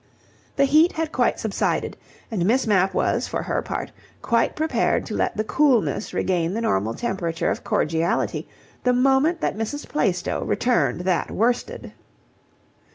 The heat had quite subsided, and Miss Mapp was, for her part, quite prepared to let the coolness regain the normal temperature of cordiality the moment that Mrs. Plaistow returned that worsted.